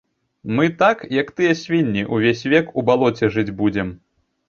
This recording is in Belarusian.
Мы так, як тыя свінні, увесь век у балоце жыць будзем.